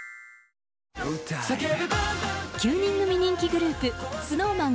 ９人組人気グループＳｎｏｗＭａｎ